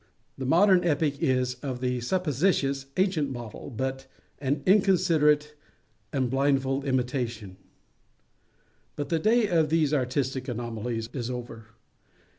The modern epic is, of the supposititious ancient model, but an inconsiderate and blindfold imitation. But the day of these artistic anomalies is over.